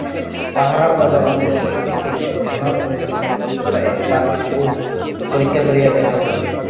তাহারা প্রজাগণের সহিত কিরূপ ব্যবহার করিতেছে অন্ততঃ এক বারও পরীক্ষা করিয়া দেখা উচিত।